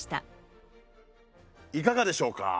いかがでしょうか？